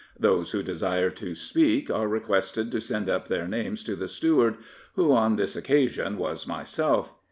Those who desire to speak are requested to send up their names to the steward, who, on this occasion, was myself.